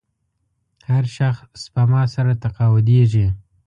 هر شخص سپما سره تقاعدېږي.